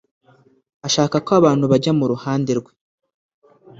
Ashaka ko abantu bajya mu ruhande rwe